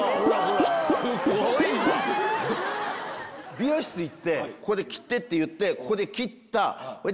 美容室行ってここで切ってって言ってここで切った。